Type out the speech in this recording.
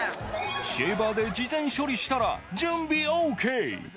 シェーバーで事前処理したら準備ＯＫ